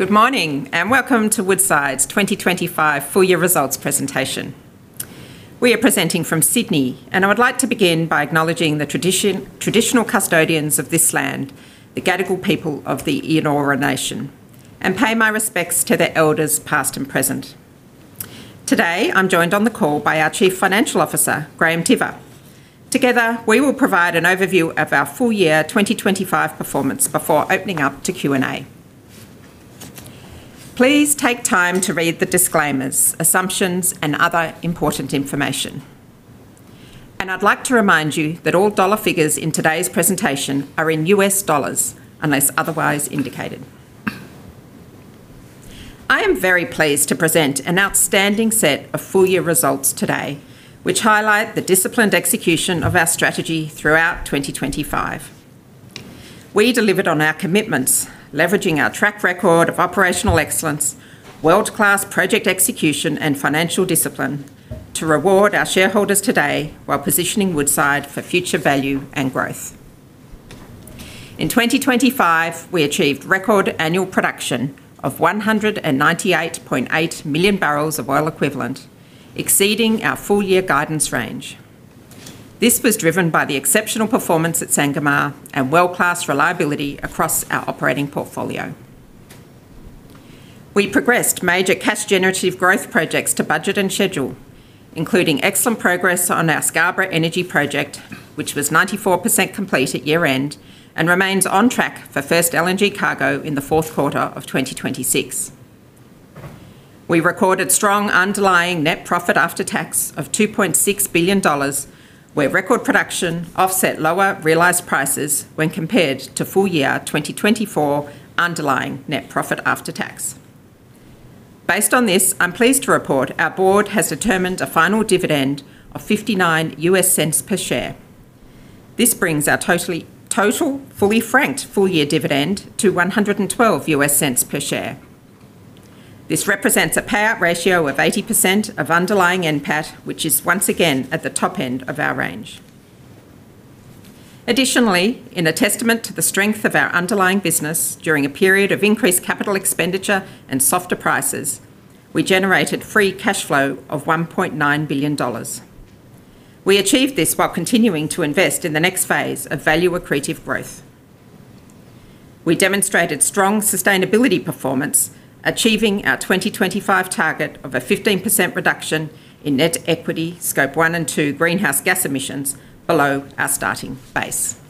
Good morning, welcome to Woodside's 2025 full year results presentation. We are presenting from Sydney, and I would like to begin by acknowledging the traditional custodians of this land, the Gadigal people of the Eora Nation, and pay my respects to their elders, past and present. Today, I'm joined on the call by our Chief Financial Officer, Graham Tiver. Together, we will provide an overview of our full year 2025 performance before opening up to Q&A. Please take time to read the disclaimers, assumptions, and other important information. I'd like to remind you that all dollar figures in today's presentation are in U.S. dollars, unless otherwise indicated. I am very pleased to present an outstanding set of full year results today, which highlight the disciplined execution of our strategy throughout 2025. We delivered on our commitments, leveraging our track record of operational excellence, world-class project execution, and financial discipline to reward our shareholders today while positioning Woodside for future value and growth. In 2025, we achieved record annual production of 198.8 million barrels of oil equivalent, exceeding our full-year guidance range. This was driven by the exceptional performance at Sangomar and world-class reliability across our operating portfolio. We progressed major cash generative growth projects to budget and schedule, including excellent progress on our Scarborough Energy Project, which was 94% complete at year-end and remains on track for first LNG cargo in the fourth quarter of 2026. We recorded strong underlying net profit after tax of $2.6 billion, where record production offset lower realized prices when compared to full year 2024 underlying net profit after tax. Based on this, I'm pleased to report our board has determined a final dividend of $0.59 per share. This brings our total fully franked full-year dividend to $1.12 per share. This represents a payout ratio of 80% of underlying NPAT, which is once again at the top end of our range. In a testament to the strength of our underlying business during a period of increased capital expenditure and softer prices, we generated free cash flow of $1.9 billion. We achieved this while continuing to invest in the next phase of value accretive growth. We demonstrated strong sustainability performance, achieving our 2025 target of a 15% reduction in net equity, Scope 1 and 2 greenhouse gas emissions below our starting base.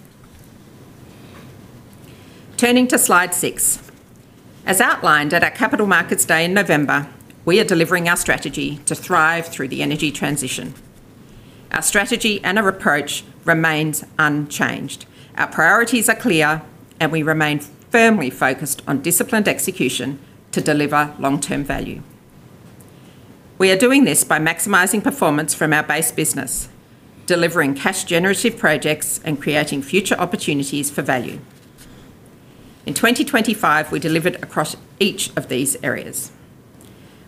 Turning to slide six. As outlined at our Capital Markets Day in November, we are delivering our strategy to thrive through the energy transition. Our strategy and our approach remains unchanged. Our priorities are clear. We remain firmly focused on disciplined execution to deliver long-term value. We are doing this by maximizing performance from our base business, delivering cash generative projects, and creating future opportunities for value. In 2025, we delivered across each of these areas.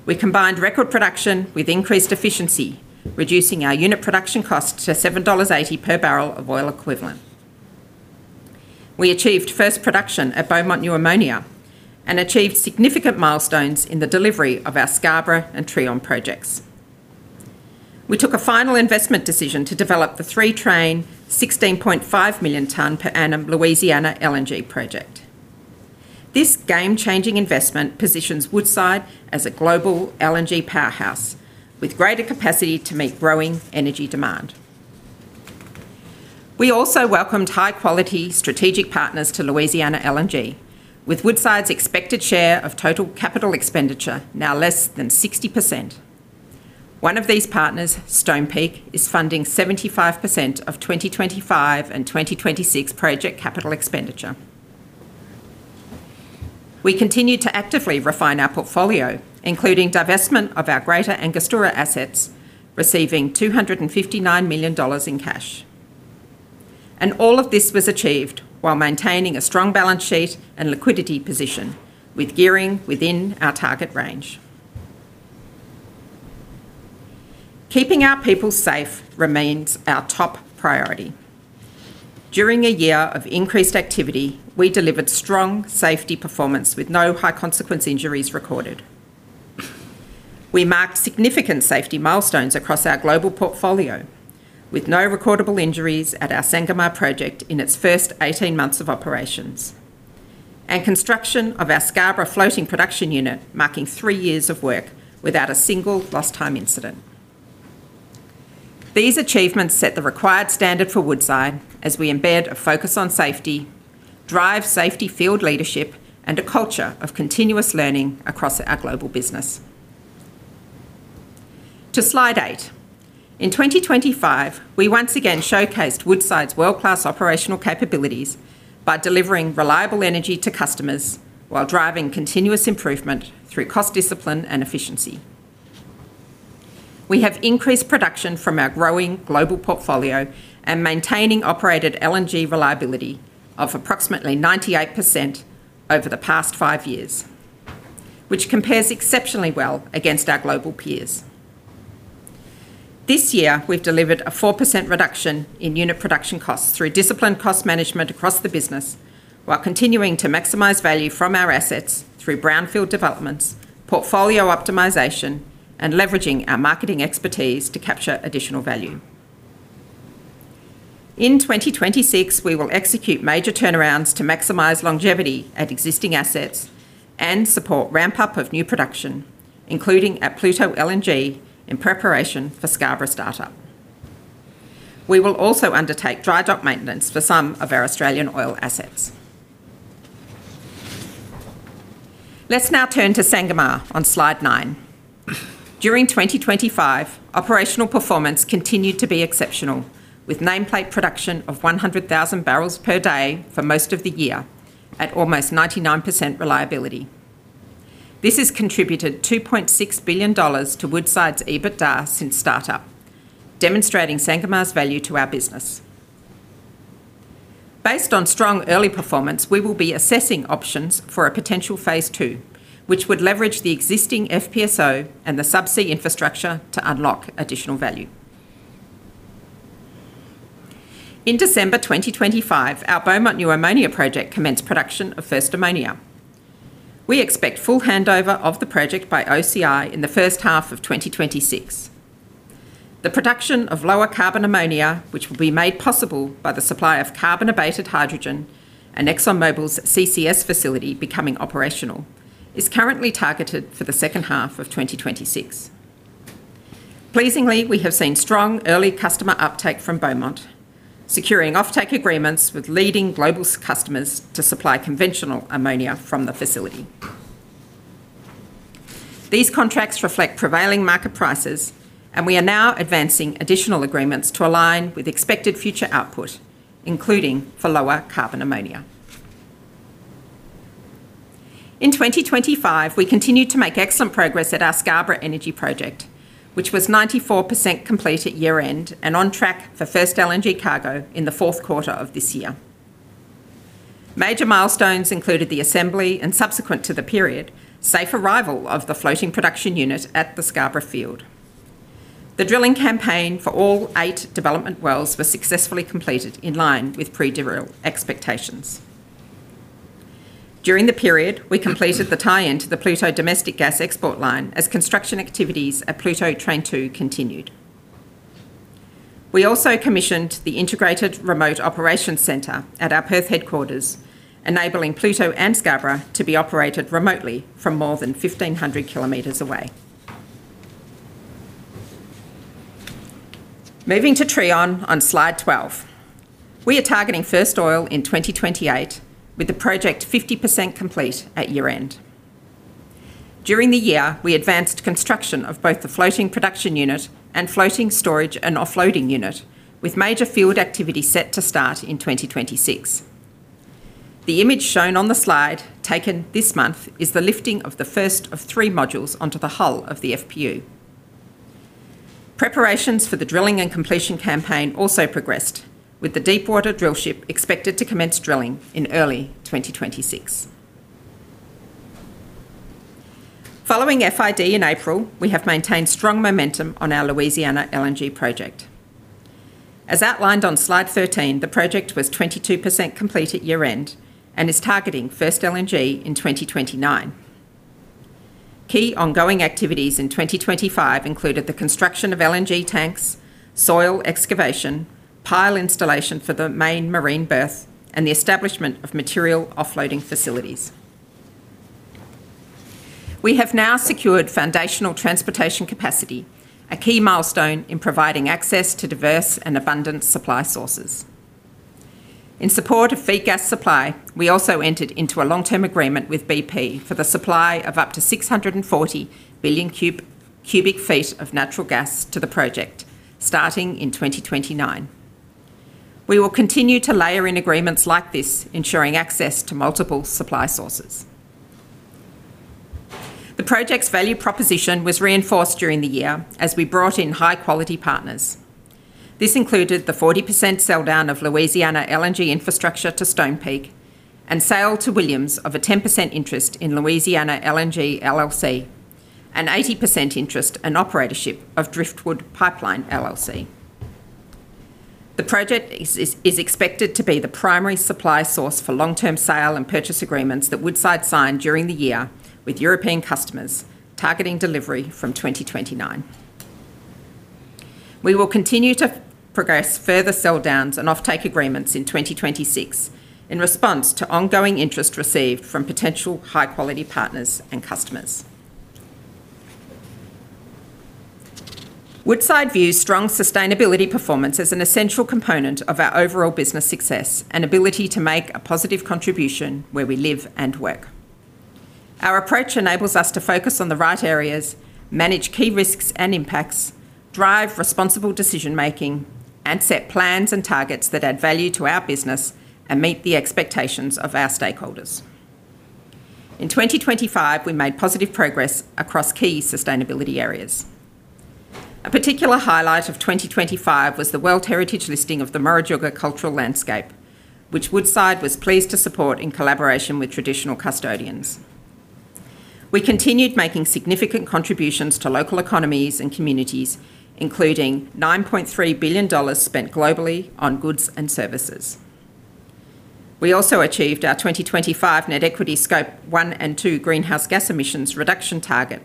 We combined record production with increased efficiency, reducing our unit production costs to $7.80 per barrel of oil equivalent. We achieved first production at Beaumont New Ammonia and achieved significant milestones in the delivery of our Scarborough and Trion projects. We took a final investment decision to develop the three-train, 16.5 million ton per annum Louisiana LNG Project. This game-changing investment positions Woodside as a global LNG powerhouse with greater capacity to meet growing energy demand. We also welcomed high-quality strategic partners to Louisiana LNG, with Woodside's expected share of total capital expenditure now less than 60%. One of these partners, Stonepeak, is funding 75% of 2025 and 2026 project capital expenditure. We continued to actively refine our portfolio, including divestment of our Greater Angostura assets, receiving $259 million in cash. All of this was achieved while maintaining a strong balance sheet and liquidity position, with gearing within our target range. Keeping our people safe remains our top priority. During a year of increased activity, we delivered strong safety performance with no high-consequence injuries recorded. We marked significant safety milestones across our global portfolio, with no recordable injuries at our Sangomar project in its first 18 months of operations, and construction of our Scarborough floating production unit, marking three years of work without a single lost time incident. These achievements set the required standard for Woodside as we embed a focus on safety, drive safety field leadership, and a culture of continuous learning across our global business. To slide eight. In 2025, we once again showcased Woodside's world-class operational capabilities by delivering reliable energy to customers while driving continuous improvement through cost discipline and efficiency. We have increased production from our growing global portfolio and maintaining operated LNG reliability of approximately 98% over the past five years, which compares exceptionally well against our global peers. This year, we've delivered a 4% reduction in unit production costs through disciplined cost management across the business, while continuing to maximize value from our assets through brownfield developments, portfolio optimization, and leveraging our marketing expertise to capture additional value. In 2026, we will execute major turnarounds to maximize longevity at existing assets and support ramp-up of new production, including at Pluto LNG in preparation for Scarborough startup. We will also undertake dry dock maintenance for some of our Australian oil assets. Let's now turn to Sangomar on slide nine. During 2025, operational performance continued to be exceptional, with nameplate production of 100,000 bbl per day for most of the year, at almost 99% reliability. This has contributed $2.6 billion to Woodside's EBITDA since startup, demonstrating Sangomar's value to our business. Based on strong early performance, we will be assessing options for a potential phase II, which would leverage the existing FPSO and the subsea infrastructure to unlock additional value. In December 2025, our Beaumont New Ammonia Project commenced production of first ammonia. We expect full handover of the project by OCI in the first half of 2026. The production of lower carbon ammonia, which will be made possible by the supply of carbon-abated hydrogen and ExxonMobil's CCS facility becoming operational, is currently targeted for the second half of 2026. Pleasingly, we have seen strong early customer uptake from Beaumont, securing offtake agreements with leading global customers to supply conventional ammonia from the facility. These contracts reflect prevailing market prices, and we are now advancing additional agreements to align with expected future output, including for lower carbon ammonia. In 2025, we continued to make excellent progress at our Scarborough Energy Project, which was 94% complete at year-end and on track for first LNG cargo in Q4 of this year. Major milestones included the assembly and, subsequent to the period, safe arrival of the floating production unit at the Scarborough field. The drilling campaign for all eight development wells were successfully completed in line with pre-drill expectations. During the period, we completed the tie-in to the Pluto domestic gas export line as construction activities at Pluto Train 2 continued. We also commissioned the Integrated Remote Operations Center at our Perth headquarters, enabling Pluto and Scarborough to be operated remotely from more than 1,500 km away. Moving to Trion on slide 12. We are targeting first oil in 2028, with the project 50% complete at year-end. During the year, we advanced construction of both the floating production unit and floating storage and offloading unit, with major field activity set to start in 2026. The image shown on the slide, taken this month, is the lifting of the first of three modules onto the hull of the FPU. Preparations for the drilling and completion campaign also progressed, with the deepwater drill ship expected to commence drilling in early 2026. Following FID in April, we have maintained strong momentum on our Louisiana LNG Project. As outlined on slide 13, the project was 22% complete at year-end and is targeting first LNG in 2029. Key ongoing activities in 2025 included the construction of LNG tanks, soil excavation, pile installation for the main marine berth, and the establishment of material offloading facilities. We have now secured foundational transportation capacity, a key milestone in providing access to diverse and abundant supply sources. In support of feed gas supply, we also entered into a long-term agreement with BP for the supply of up to 640 billion cubic feet of natural gas to the project, starting in 2029. We will continue to layer in agreements like this, ensuring access to multiple supply sources. The project's value proposition was reinforced during the year as we brought in high-quality partners. This included the 40% sell-down of Louisiana LNG infrastructure to Stonepeak and sale to Williams of a 10% interest in Louisiana LNG LLC, and 80% interest and operatorship of Driftwood Pipeline LLC. The project is expected to be the primary supply source for long-term sale and purchase agreements that Woodside signed during the year with European customers, targeting delivery from 2029. We will continue to progress further sell-downs and offtake agreements in 2026 in response to ongoing interest received from potential high-quality partners and customers. Woodside views strong sustainability performance as an essential component of our overall business success and ability to make a positive contribution where we live and work. Our approach enables us to focus on the right areas, manage key risks and impacts, drive responsible decision-making, and set plans and targets that add value to our business and meet the expectations of our stakeholders. In 2025, we made positive progress across key sustainability areas. A particular highlight of 2025 was the World Heritage listing of the Murujuga Cultural Landscape, which Woodside was pleased to support in collaboration with traditional custodians. We continued making significant contributions to local economies and communities, including $9.3 billion spent globally on goods and services. We also achieved our 2025 net equity Scope 1 and 2 greenhouse gas emissions reduction target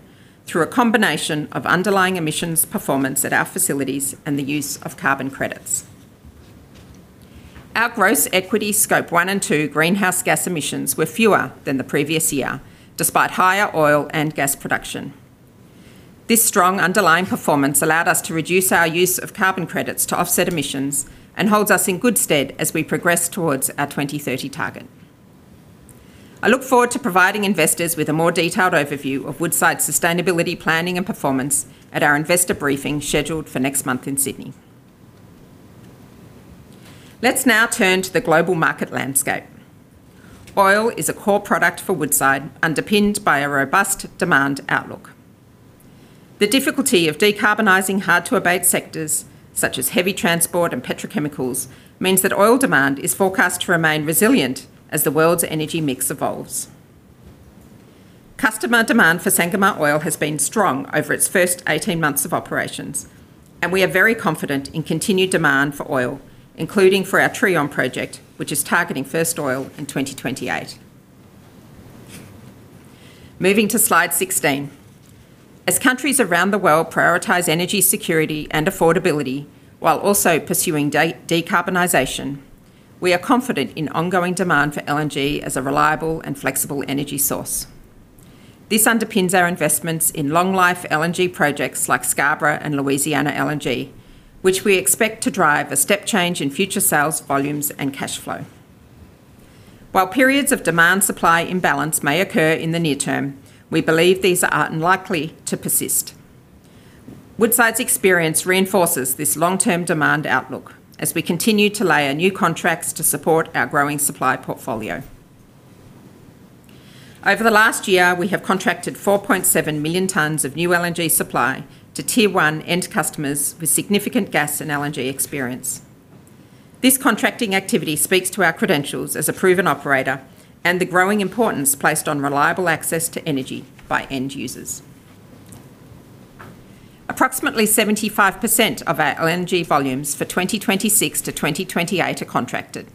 through a combination of underlying emissions performance at our facilities and the use of carbon credits. Our gross equity Scope 1 and 2 greenhouse gas emissions were fewer than the previous year, despite higher oil and gas production. This strong underlying performance allowed us to reduce our use of carbon credits to offset emissions, and holds us in good stead as we progress towards our 2030 target. I look forward to providing investors with a more detailed overview of Woodside's sustainability planning and performance at our investor briefing, scheduled for next month in Sydney. Let's now turn to the global market landscape. Oil is a core product for Woodside, underpinned by a robust demand outlook. The difficulty of decarbonizing hard-to-abate sectors, such as heavy transport and petrochemicals, means that oil demand is forecast to remain resilient as the world's energy mix evolves. Customer demand for Sangomar oil has been strong over its first 18 months of operations, and we are very confident in continued demand for oil, including for our Trion project, which is targeting first oil in 2028. Moving to slide 16. As countries around the world prioritize energy security and affordability while also pursuing decarbonization, we are confident in ongoing demand for LNG as a reliable and flexible energy source. This underpins our investments in long-life LNG projects like Scarborough and Louisiana LNG, which we expect to drive a step change in future sales, volumes, and cash flow. While periods of demand-supply imbalance may occur in the near term, we believe these are unlikely to persist. Woodside's experience reinforces this long-term demand outlook as we continue to layer new contracts to support our growing supply portfolio. Over the last year, we have contracted 4.7 million tons of new LNG supply to Tier One end customers with significant gas and LNG experience. This contracting activity speaks to our credentials as a proven operator and the growing importance placed on reliable access to energy by end users. Approximately 75% of our LNG volumes for 2026-2028 are contracted,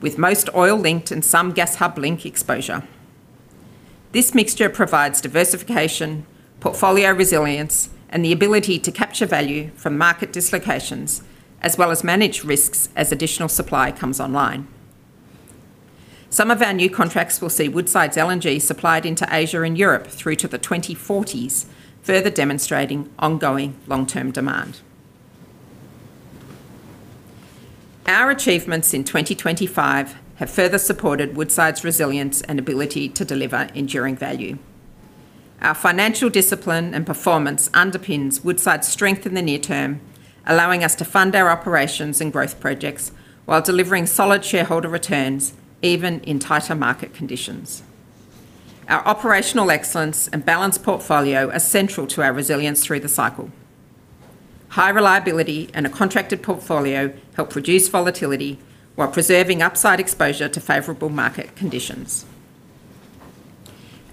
with most oil-linked and some gas hub link exposure. This mixture provides diversification, portfolio resilience, and the ability to capture value from market dislocations, as well as manage risks as additional supply comes online. Some of our new contracts will see Woodside's LNG supplied into Asia and Europe through to the 2040s, further demonstrating ongoing long-term demand. Our achievements in 2025 have further supported Woodside's resilience and ability to deliver enduring value. Our financial discipline and performance underpins Woodside's strength in the near term, allowing us to fund our operations and growth projects while delivering solid shareholder returns, even in tighter market conditions. Our operational excellence and balanced portfolio are central to our resilience through the cycle. High reliability and a contracted portfolio help reduce volatility while preserving upside exposure to favorable market conditions.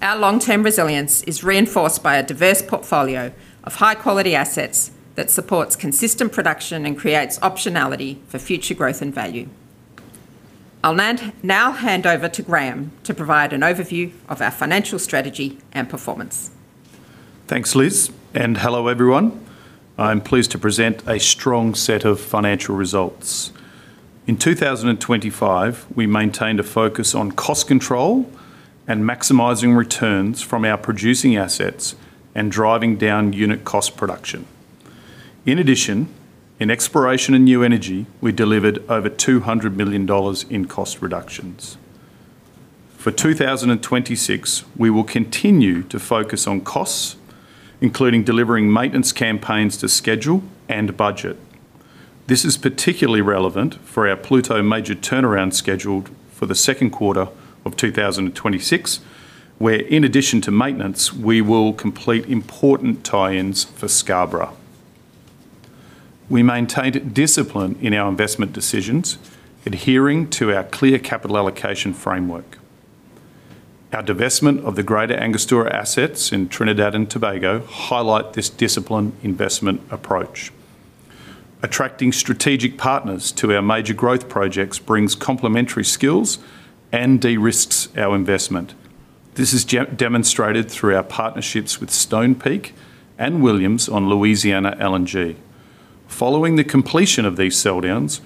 Our long-term resilience is reinforced by a diverse portfolio of high-quality assets that supports consistent production and creates optionality for future growth and value. I'll now hand over to Graham to provide an overview of our financial strategy and performance. Thanks, Liz. Hello, everyone. I'm pleased to present a strong set of financial results. In 2025, we maintained a focus on cost control and maximizing returns from our producing assets and driving down unit cost production. In addition, in exploration and new energy, we delivered over $200 million in cost reductions. For 2026, we will continue to focus on costs, including delivering maintenance campaigns to schedule and budget. This is particularly relevant for our Pluto major turnaround scheduled for the 2Q 2026, where, in addition to maintenance, we will complete important tie-ins for Scarborough. We maintained discipline in our investment decisions, adhering to our clear capital allocation framework. Our divestment of the Greater Angostura assets in Trinidad and Tobago highlight this disciplined investment approach. Attracting strategic partners to our major growth projects brings complementary skills and de-risks our investment. This is demonstrated through our partnerships with Stonepeak and Williams on Louisiana LNG. Following the completion of these sell downs,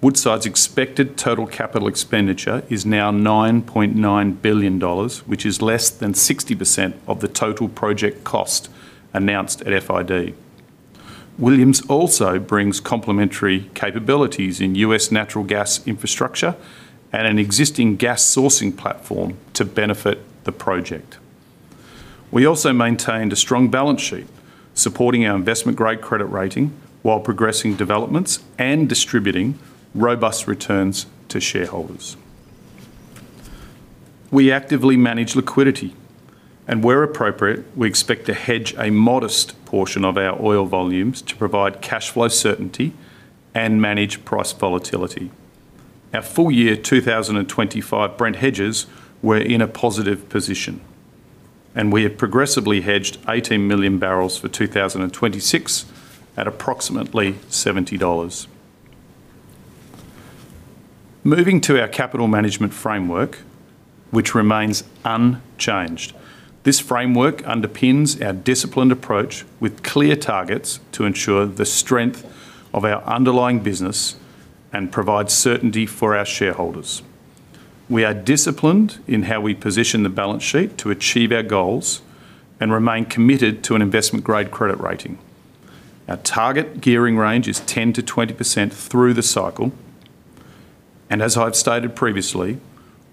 Woodside's expected total capital expenditure is now $9.9 billion, which is less than 60% of the total project cost announced at FID. Williams also brings complementary capabilities in U.S. natural gas infrastructure and an existing gas sourcing platform to benefit the project. We also maintained a strong balance sheet, supporting our investment-grade credit rating while progressing developments and distributing robust returns to shareholders. We actively manage liquidity, and where appropriate, we expect to hedge a modest portion of our oil volumes to provide cash flow certainty and manage price volatility. Our full year 2025 Brent hedges were in a positive position. We have progressively hedged 18 million barrels for 2026 at approximately $70. Moving to our capital management framework, which remains unchanged. This framework underpins our disciplined approach with clear targets to ensure the strength of our underlying business and provide certainty for our shareholders. We are disciplined in how we position the balance sheet to achieve our goals and remain committed to an investment-grade credit rating. Our target gearing range is 10%-20% through the cycle, and as I've stated previously,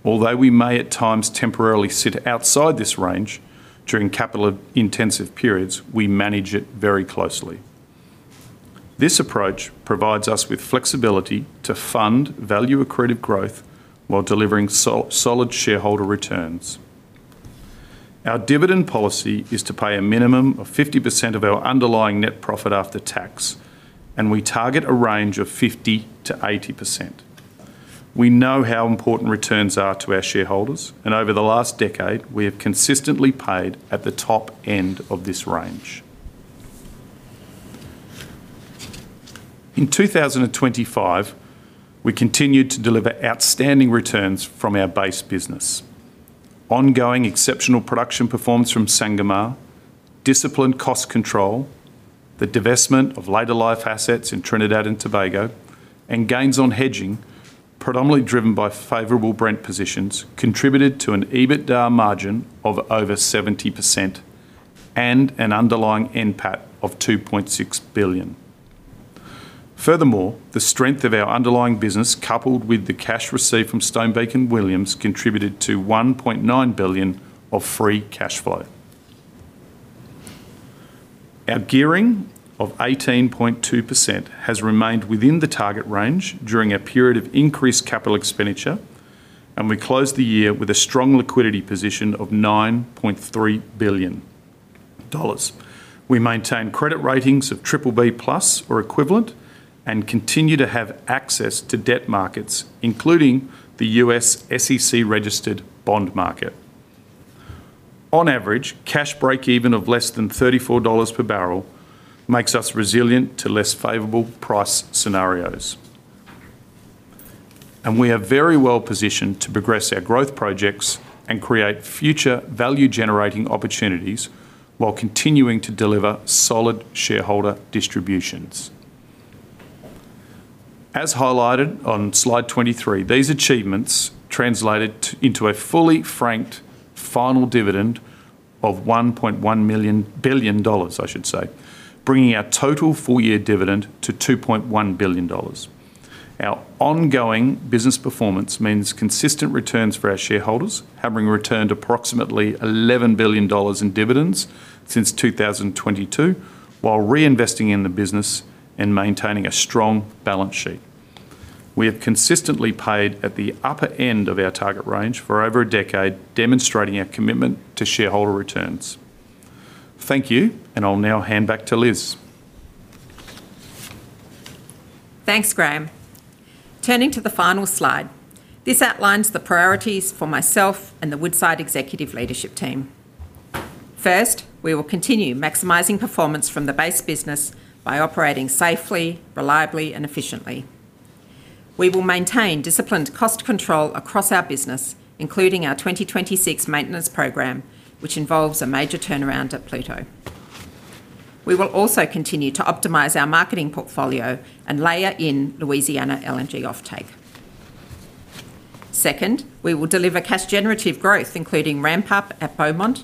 although we may at times temporarily sit outside this range during capital-intensive periods, we manage it very closely. This approach provides us with flexibility to fund value-accretive growth while delivering solid shareholder returns. Our dividend policy is to pay a minimum of 50% of our underlying net profit after tax, and we target a range of 50%-80%. We know how important returns are to our shareholders, and over the last decade, we have consistently paid at the top end of this range. In 2025, we continued to deliver outstanding returns from our base business. Ongoing exceptional production performance from Sangomar, disciplined cost control, the divestment of later life assets in Trinidad and Tobago, and gains on hedging, predominantly driven by favorable Brent positions, contributed to an EBITDA margin of over 70% and an underlying NPAT of 2.6 billion. Furthermore, the strength of our underlying business, coupled with the cash received from Stonepeak and Williams, contributed to 1.9 billion of free cash flow. Our gearing of 18.2% has remained within the target range during a period of increased capital expenditure. We closed the year with a strong liquidity position of 9.3 billion dollars. We maintain credit ratings of BBB+ or equivalent and continue to have access to debt markets, including the U.S. SEC-registered bond market. On average, cash break-even of less than 34 dollars per barrel makes us resilient to less favorable price scenarios. We are very well positioned to progress our growth projects and create future value-generating opportunities while continuing to deliver solid shareholder distributions. As highlighted on slide 23, these achievements translated into a fully franked final dividend of 1.1 billion dollars, I should say, bringing our total full-year dividend to 2.1 billion dollars. Our ongoing business performance means consistent returns for our shareholders, having returned approximately $11 billion in dividends since 2022, while reinvesting in the business and maintaining a strong balance sheet. We have consistently paid at the upper end of our target range for over a decade, demonstrating our commitment to shareholder returns. Thank you. I'll now hand back to Liz. Thanks, Graham. Turning to the final slide, this outlines the priorities for myself and the Woodside executive leadership team. First, we will continue maximizing performance from the base business by operating safely, reliably, and efficiently. We will maintain disciplined cost control across our business, including our 2026 maintenance program, which involves a major turnaround at Pluto. We will also continue to optimize our marketing portfolio and layer in Louisiana LNG offtake. Second, we will deliver cash-generative growth, including ramp up at Beaumont,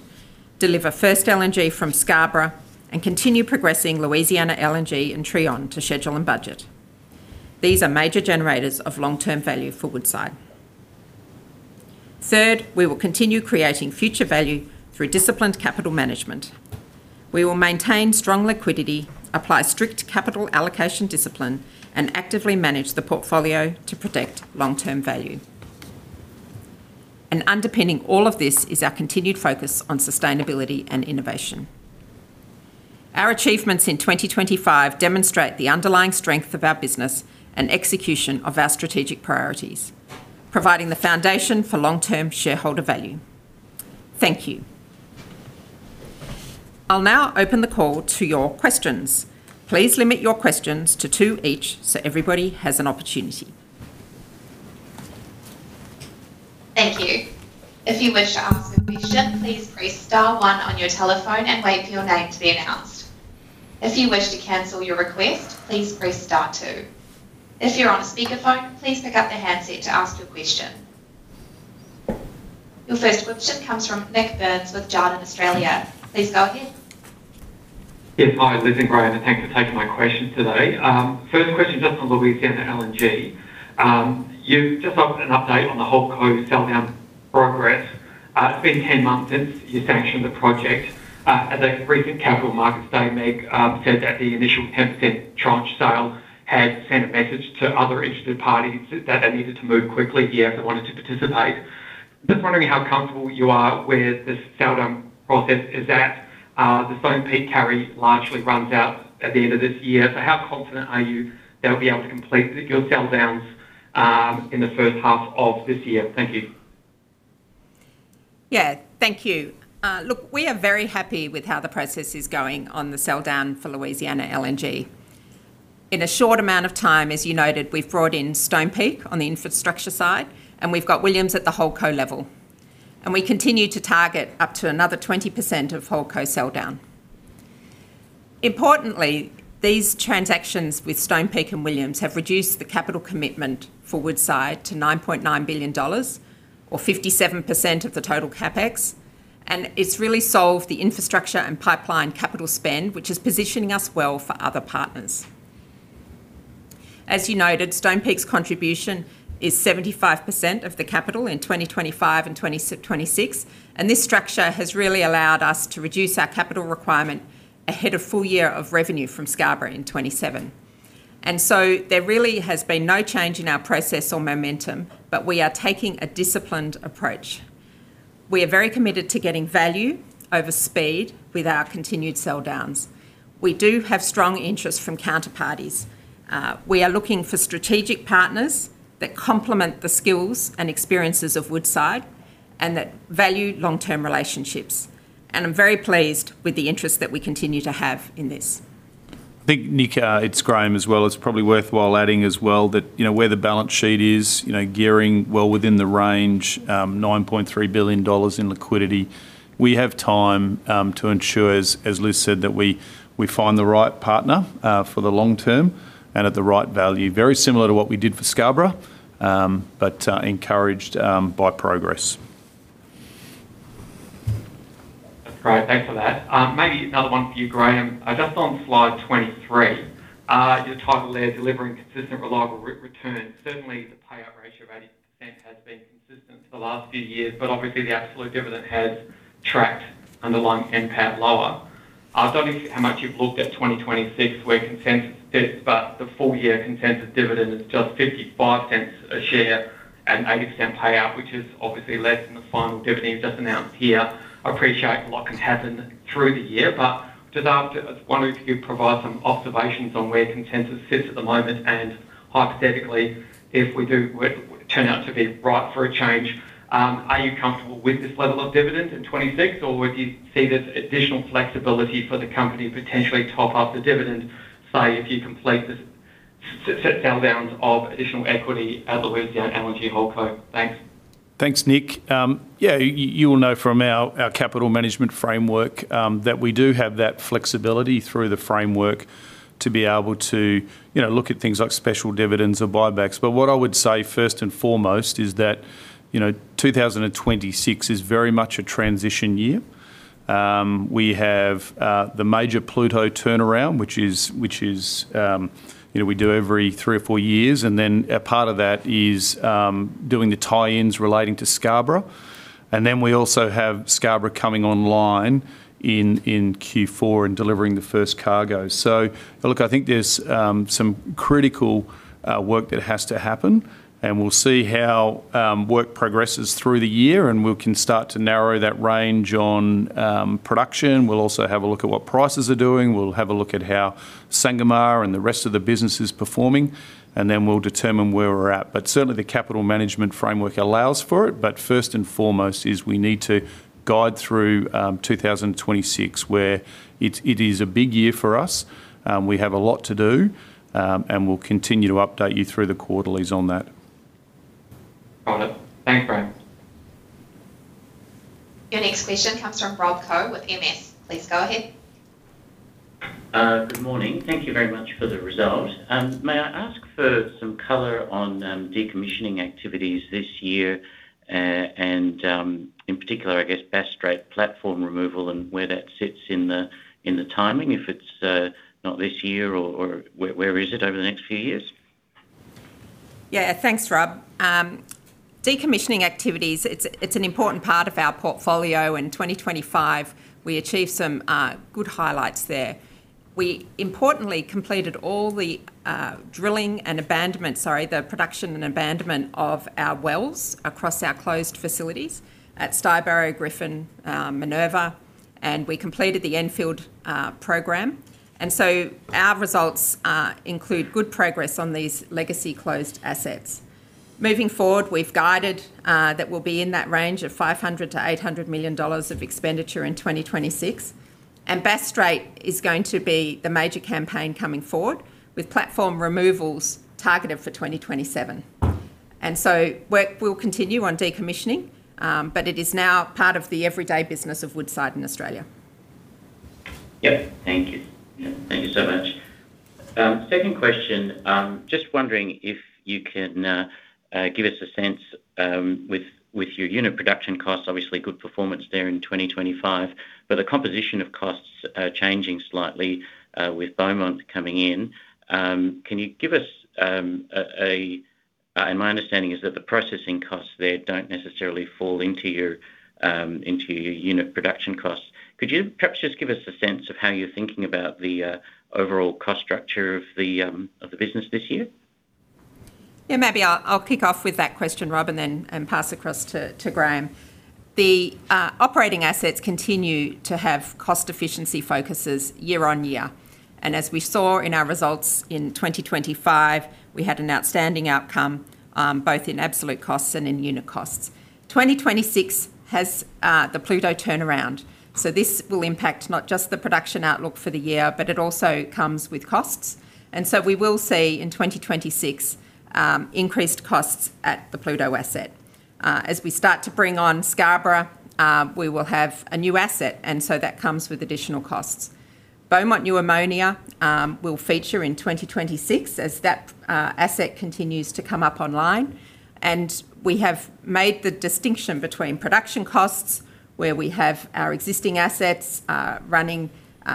deliver first LNG from Scarborough, and continue progressing Louisiana LNG and Trion to schedule and budget. These are major generators of long-term value for Woodside. Third, we will continue creating future value through disciplined capital management. We will maintain strong liquidity, apply strict capital allocation discipline, and actively manage the portfolio to protect long-term value. Underpinning all of this is our continued focus on sustainability and innovation. Our achievements in 2025 demonstrate the underlying strength of our business and execution of our strategic priorities, providing the foundation for long-term shareholder value. Thank you. I'll now open the call to your questions. Please limit your questions to two each, so everybody has an opportunity. Thank you. If you wish to ask a question, please press star one on your telephone and wait for your name to be announced. If you wish to cancel your request, please press star two. If you're on speakerphone, please pick up the handset to ask your question. Your first question comes from Nik Burns with Jarden Australia. Please go ahead. Yes. Hi, Liz and Graham, thanks for taking my question today. First question, just on Louisiana LNG. You've just offered an update on the HoldCo sell-down progress. It's been 10 months since you sanctioned the project. At the recent Capital Markets Day, Liz, said that the initial 10% tranche sale had sent a message to other interested parties that they needed to move quickly here if they wanted to participate. Just wondering how comfortable you are with the sell-down process is that, the Stonepeak carry largely runs out at the end of this year. How confident are you that we'll be able to complete your sell downs, in the first half of this year? Thank you. Yeah, thank you. Look, we are very happy with how the process is going on the sell down for Louisiana LNG. In a short amount of time, as you noted, we've brought in Stonepeak on the infrastructure side, and we've got Williams at the HoldCo level. We continue to target up to another 20% of HoldCo sell down. Importantly, these transactions with Stonepeak and Williams have reduced the capital commitment for Woodside to $9.9 billion or 57% of the total CapEx, it's really solved the infrastructure and pipeline capital spend, which is positioning us well for other partners. As you noted, Stonepeak's contribution is 75% of the capital in 2025 and 2026, 2026, this structure has really allowed us to reduce our capital requirement ahead of full year of revenue from Scarborough in 2027. There really has been no change in our process or momentum, but we are taking a disciplined approach. We are very committed to getting value over speed with our continued sell downs. We do have strong interest from counterparties. We are looking for strategic partners that complement the skills and experiences of Woodside and that value long-term relationships. I'm very pleased with the interest that we continue to have in this. I think, Nik, it's Graham as well. It's probably worthwhile adding as well that, you know, where the balance sheet is, you know, gearing well within the range, 9.3 billion dollars in liquidity. We have time to ensure, as, as Liz said, that we, we find the right partner for the long term and at the right value. Very similar to what we did for Scarborough, but encouraged by progress. That's great. Thanks for that. Maybe another one for you, Graham. Just on slide 23, you title there, "Delivering consistent, reliable return." Certainly, the payout ratio of 80% has been consistent for the last few years, but obviously the absolute dividend has tracked underlying NPAT lower. I don't know how much you've looked at 2026, where consensus sits, but the full year consensus dividend is just 0.55 a share and 80% payout, which is obviously less than the final dividend you've just announced here. I appreciate a lot can happen through the year, but just after, I was wondering if you could provide some observations on where consensus sits at the moment, and hypothetically, if we do, turn out to be right for a change, are you comfortable with this level of dividend in 2026, or would you see this additional flexibility for the company potentially top up the dividend, say, if you complete this sell downs of additional equity at Louisiana LNG HoldCo? Thanks. Thanks, Nik. Yeah, you will know from our capital management framework that we do have that flexibility through the framework to be able to, you know, look at things like special dividends or buybacks. What I would say first and foremost is that, you know, 2026 is very much a transition year. We have the major Pluto turnaround, which is, which is, you know, we do every three or four years, and then a part of that is doing the tie-ins relating to Scarborough. We also have Scarborough coming online in Q4 and delivering the first cargo. Look, I think there's some critical work that has to happen, and we'll see how work progresses through the year, and we can start to narrow that range on production. We'll also have a look at what prices are doing. We'll have a look at how Sangomar and the rest of the business is performing, and then we'll determine where we're at. Certainly, the capital management framework allows for it. First and foremost is we need to guide through 2026, where it, it is a big year for us, we have a lot to do, and we'll continue to update you through the quarterlies on that. Got it. Thanks, Graham. Your next question comes from Rob Koh with MS. Please go ahead. Good morning. Thank you very much for the result. May I ask for some color on, decommissioning activities this year, and, in particular, I guess, Bass Strait platform removal and where that sits in the, in the timing, if it's, not this year, or, or where, where is it over the next few years? Yeah. Thanks, Rob Koh. Decommissioning activities, it's, it's an important part of our portfolio. In 2025, we achieved some good highlights there. We importantly completed all the drilling and abandonment, sorry, the production and abandonment of our wells across our closed facilities at Stybarrow, Griffin, Minerva. We completed the Enfield program. Our results include good progress on these legacy closed assets. Moving forward, we've guided that we'll be in that range of 500 million-800 million dollars of expenditure in 2026. Bass Strait is going to be the major campaign coming forward, with platform removals targeted for 2027. Work will continue on decommissioning, but it is now part of the everyday business of Woodside in Australia. Yep. Thank you. Yeah, thank you so much. Second question, just wondering if you can give us a sense with your unit production costs, obviously good performance there in 2025, but the composition of costs changing slightly with Beaumont coming in. Can you give us, and my understanding is that the processing costs there don't necessarily fall into your into your unit production costs. Could you perhaps just give us a sense of how you're thinking about the overall cost structure of the business this year? Yeah, maybe I'll, I'll kick off with that question, Rob, then pass across to Graham. The operating assets continue to have cost efficiency focuses year-over-year. As we saw in our results in 2025, we had an outstanding outcome, both in absolute costs and in unit costs. 2026 has the Pluto turnaround, this will impact not just the production outlook for the year, but it also comes with costs, we will see in 2026 increased costs at the Pluto asset. As we start to bring on Scarborough, we will have a new asset, that comes with additional costs. Beaumont New Ammonia will feature in 2026 as that asset continues to come up online. We have made the distinction between production costs, where we have our existing assets, running,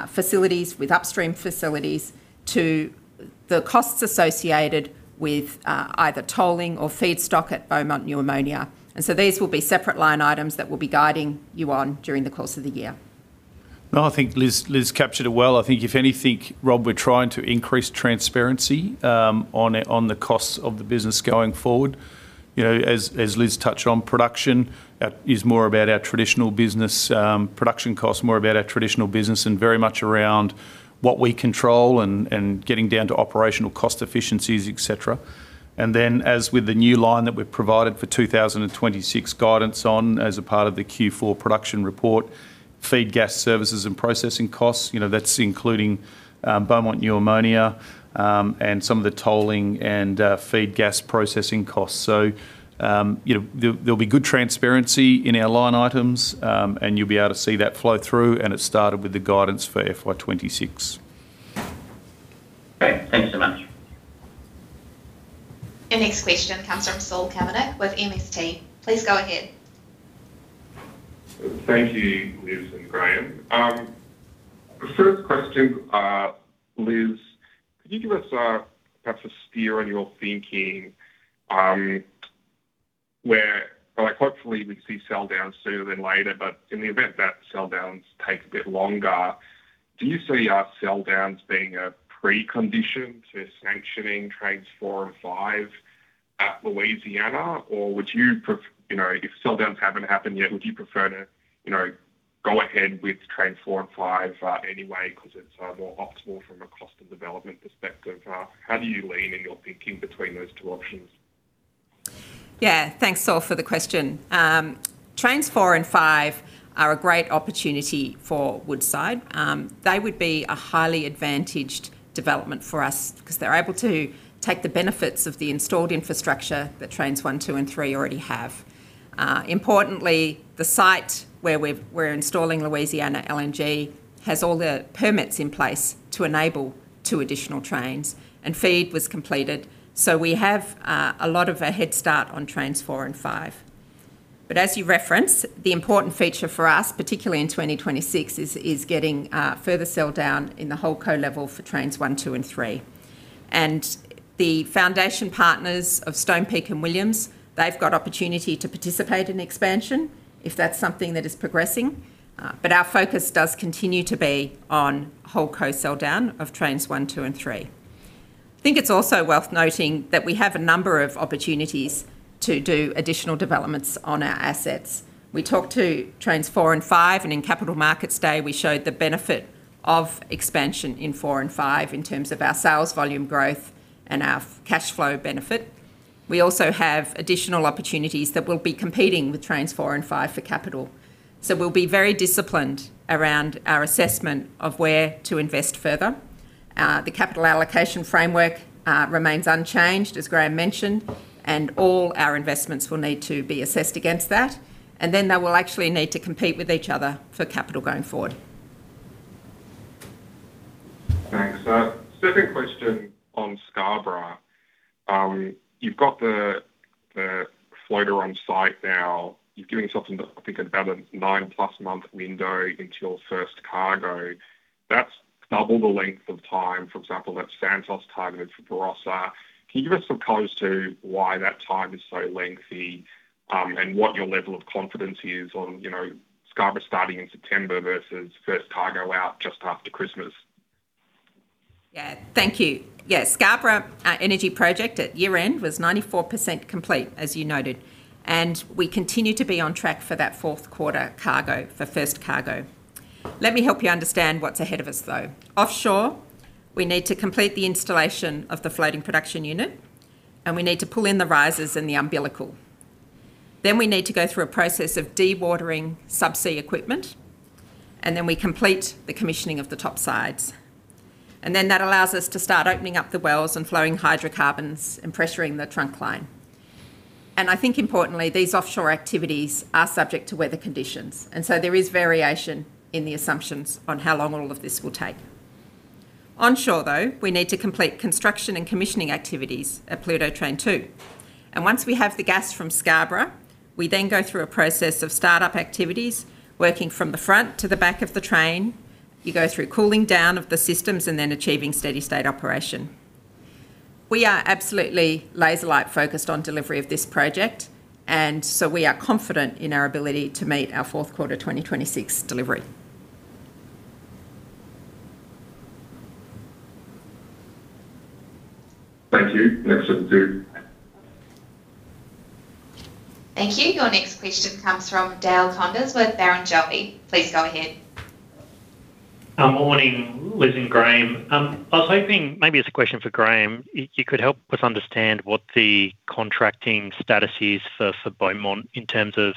facilities with upstream facilities, to the costs associated with, either tolling or feedstock at Beaumont New Ammonia. So these will be separate line items that we'll be guiding you on during the course of the year. No, I think Liz, Liz captured it well. I think if anything, Rob, we're trying to increase transparency on it, on the costs of the business going forward. You know, as, as Liz touched on, production is more about our traditional business, production costs more about our traditional business and very much around what we control and, and getting down to operational cost efficiencies, et cetera. Then, as with the new line that we've provided for 2026 guidance on as a part of the Q4 production report, feed gas services and processing costs, you know, that's including Beaumont New Ammonia and some of the tolling and feed gas processing costs. You know, there'll be good transparency in our line items, and you'll be able to see that flow through. It started with the guidance for FY 2026. Great, thanks so much. Your next question comes from Saul Kavonic with MST. Please go ahead. Thank you, Liz and Graham. The first question, Liz, could you give us perhaps a steer on your thinking, where like hopefully we see sell downs sooner than later, but in the event that sell downs take a bit longer, do you see our sell downs being a precondition to sanctioning trains four and five at Louisiana, or would you pref-- you know, if sell downs haven't happened yet, would you prefer to, you know, go ahead with trains four and five anyway, 'cause it's more optimal from a cost and development perspective? How do you lean in your thinking between those two options? Yeah. Thanks, Saul, for the question. Trains four and five are a great opportunity for Woodside. They would be a highly advantaged development for us 'cause they're able to take the benefits of the installed infrastructure that trains one, two, and three already have. Importantly, the site where we've, we're installing Louisiana LNG has all the permits in place to enable two additional trains, and FID was completed, so we have a lot of a head start on trains four and five. As you reference, the important feature for us, particularly in 2026, is getting further sell down in the HoldCo level for trains one, two, and three. The foundation partners of Stonepeak and Williams, they've got opportunity to participate in expansion if that's something that is progressing, but our focus does continue to be on HoldCo sell down of trains one, two, and three. I think it's also worth noting that we have a number of opportunities to do additional developments on our assets. We talked to trains four and five, and in Capital Markets Day, we showed the benefit of expansion in four and five in terms of our sales volume growth and our cash flow benefit. We also have additional opportunities that will be competing with trains four and five for capital. We'll be very disciplined around our assessment of where to invest further. The capital allocation framework remains unchanged, as Graham mentioned, and all our investments will need to be assessed against that, and then they will actually need to compete with each other for capital going forward. Thanks. Second question on Scarborough. You've got the, the floater on site now. You're giving yourself, I think, about a nine-plus month window into your first cargo. That's double the length of time, for example, that Santos targeted for Barossa. Can you give us some colors to why that time is so lengthy, and what your level of confidence is on, you know, Scarborough starting in September versus first cargo out just after Christmas? Yeah. Thank you. Yes, Scarborough Energy Project at year-end was 94% complete, as you noted. We continue to be on track for that fourth quarter cargo, for first cargo. Let me help you understand what's ahead of us, though. Offshore, we need to complete the installation of the floating production unit. We need to pull in the risers and the umbilical. We need to go through a process of dewatering subsea equipment. We complete the commissioning of the top sides. That allows us to start opening up the wells and flowing hydrocarbons and pressuring the trunk line. I think importantly, these offshore activities are subject to weather conditions, and so there is variation in the assumptions on how long all of this will take. Onshore, though, we need to complete construction and commissioning activities at Pluto Train 2. Once we have the gas from Scarborough, we then go through a process of startup activities, working from the front to the back of the train. You go through cooling down of the systems and then achieving steady state operation. We are absolutely laser-like focused on delivery of this project. We are confident in our ability to meet our fourth quarter 2026 delivery. Thank you. Next question. Thank you. Your next question comes from Dale Koenders with Barrenjoey. Please go ahead. Morning, Liz and Graham. I was hoping, maybe it's a question for Graham, you could help us understand what the contracting status is for Beaumont in terms of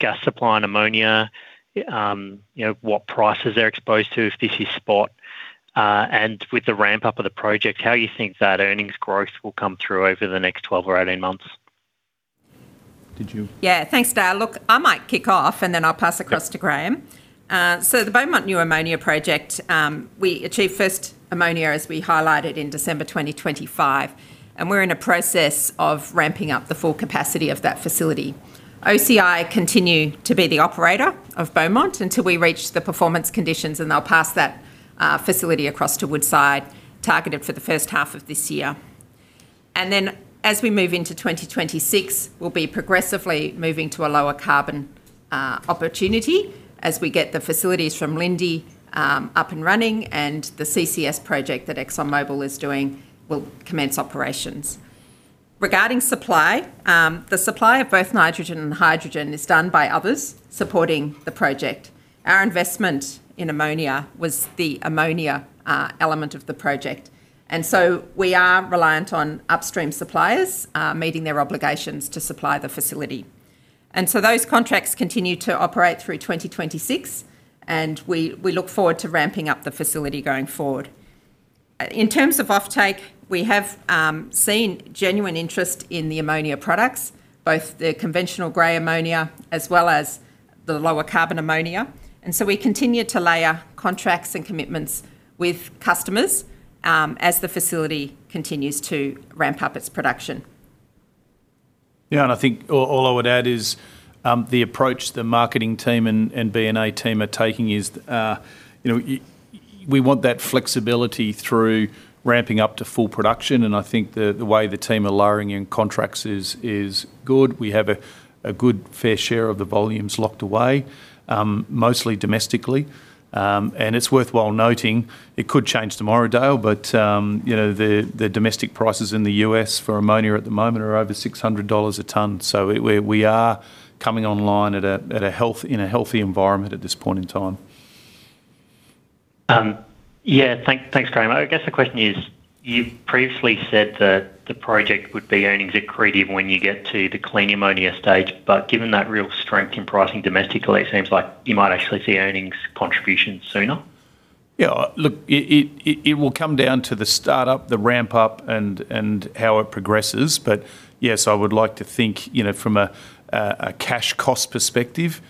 gas supply and ammonia. You know, what prices they're exposed to if this is spot, and with the ramp up of the project, how you think that earnings growth will come through over the next 12 or 18 months? Did you- Yeah, thanks, Dale. Look, I might kick off, and then I'll pass across to Graham. The Beaumont New Ammonia Project, we achieved first ammonia, as we highlighted, in December 2025, and we're in a process of ramping up the full capacity of that facility. OCI continue to be the operator of Beaumont New Ammonia Project until we reach the performance conditions, and they'll pass that facility across to Woodside, targeted for the first half of this year. As we move into 2026, we'll be progressively moving to a lower carbon opportunity as we get the facilities from Linde up and running, and the CCS project that ExxonMobil is doing will commence operations. Regarding supply, the supply of both nitrogen and hydrogen is done by others supporting the project. Our investment in ammonia was the ammonia element of the project, and so we are reliant on upstream suppliers meeting their obligations to supply the facility. Those contracts continue to operate through 2026, and we, we look forward to ramping up the facility going forward. In terms of offtake, we have seen genuine interest in the ammonia products, both the conventional grey ammonia as well as the lower carbon ammonia. We continue to layer contracts and commitments with customers, as the facility continues to ramp up its production. Yeah, I think all, all I would add is, the approach the marketing team and BNA team are taking is, we want that flexibility through ramping up to full production, and I think the way the team are layering in contracts is good. We have a good fair share of the volumes locked away, mostly domestically. It's worthwhile noting it could change tomorrow, Dale, but the domestic prices in the U.S. for ammonia at the moment are over $600 a ton. We are coming online at a healthy environment at this point in time. Yeah, thanks, Graham. I guess the question is, you've previously said that the project would be earnings accretive when you get to the clean ammonia stage, but given that real strength in pricing domestically, it seems like you might actually see earnings contribution sooner. Yeah, look, it will come down to the start-up, the ramp up, and how it progresses. Yes, I would like to think, you know, from a cash cost perspective,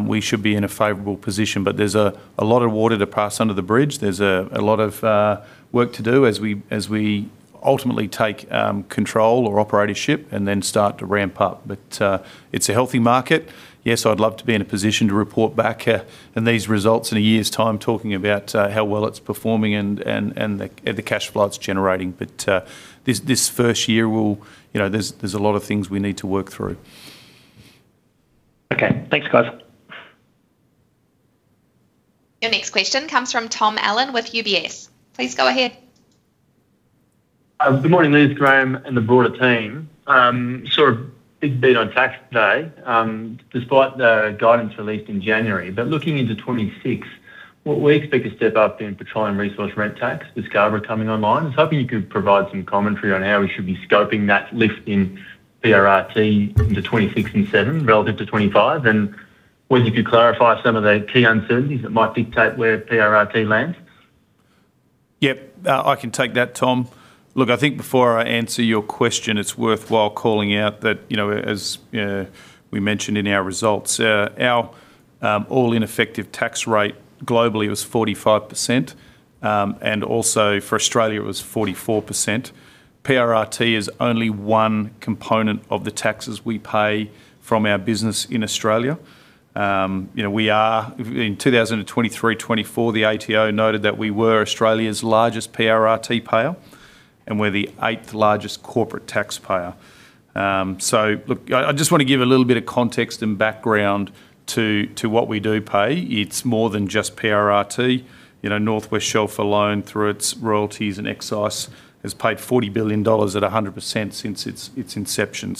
we should be in a favorable position. There's a lot of water to pass under the bridge. There's a lot of work to do as we ultimately take control or operatorship and then start to ramp up. It's a healthy market. Yes, I'd love to be in a position to report back on these results in a year's time, talking about how well it's performing and the cash flows it's generating. This first year will, you know, there's a lot of things we need to work through. Okay. Thanks, guys. Your next question comes from Tom Allen with UBS. Please go ahead. Good morning, Liz, Graham, and the broader team. A big beat on tax day, despite the guidance released in January. Looking into 2026, what we expect a step up in Petroleum Resource Rent Tax with Scarborough coming online. I was hoping you could provide some commentary on how we should be scoping that lift in PRRT into 2026 and seven relative to 2025, and whether you could clarify some of the key uncertainties that might dictate where PRRT lands. Yep, I can take that, Tom. Look, I think before I answer your question, it's worthwhile calling out that, you know, as we mentioned in our results, our all-in effective tax rate globally was 45%, and also for Australia, it was 44%. PRRT is only one component of the taxes we pay from our business in Australia. You know, we are in 2023/2024, the ATO noted that we were Australia's largest PRRT payer, and we're the eighth largest corporate taxpayer. So look, I just want to give a little bit of context and background to what we do pay. It's more than just PRRT. You know, North West Shelf alone, through its royalties and excise, has paid AUD 40 billion at 100% since its inception.